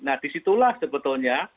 nah disitulah sebetulnya